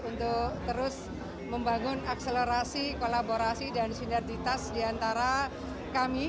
untuk terus membangun akselerasi kolaborasi dan sinergitas diantara kami